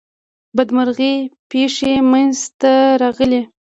بدمرغي پیښی منځته راغلې.